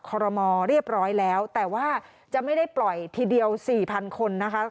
ขอรมอเรียบร้อยแล้วแต่ว่าจะไม่ได้ปล่อยทีเดียว๔๐๐คนนะคะ